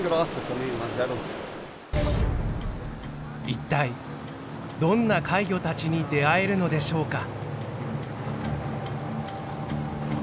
一体どんな怪魚たちに出会えるのでしょうか？